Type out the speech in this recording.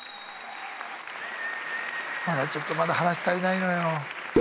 まだちょっとまだ話し足りないのよ。